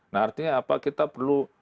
nah artinya apa kita perlu